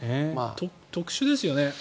特殊ですよね。